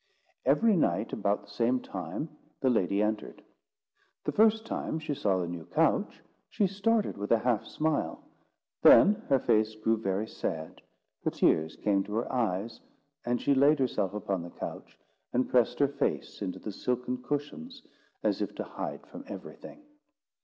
Every night, about the same time, the lady entered. The first time she saw the new couch, she started with a half smile; then her face grew very sad, the tears came to her eyes, and she laid herself upon the couch, and pressed her face into the silken cushions, as if to hide from everything.